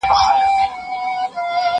پرون او نن مي تر اته زره زياتي جملې!!